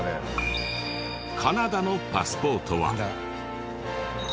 カナダのパスポートは。